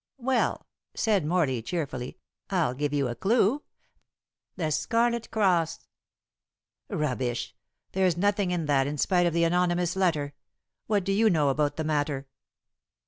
"Well," said Morley cheerfully, "I'll give you a clue the Scarlet Cross." "Rubbish! There's nothing in that in spite of the anonymous letter. What do you know about the matter?"